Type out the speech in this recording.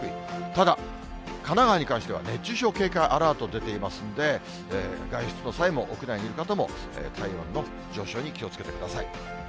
ただ、神奈川に関しては熱中症警戒アラート出ていますんで、外出の際も屋内にいる方も、体温の上昇に気をつけてください。